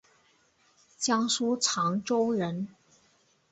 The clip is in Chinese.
江苏长洲人。